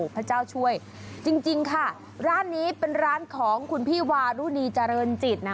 พระเจ้าช่วยจริงค่ะร้านนี้เป็นร้านของคุณพี่วารุณีเจริญจิตนะ